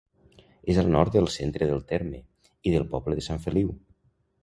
És al nord del centre del terme, i del poble de Sant Feliu.